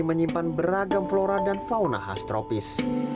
menyimpan beragam flora dan fauna khas tropis